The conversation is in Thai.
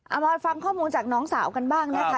มาฟังข้อมูลจากน้องสาวกันบ้างนะคะ